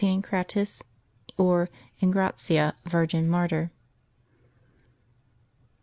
ENCRATIS, or ENGRATIA, Virgin, Martyr.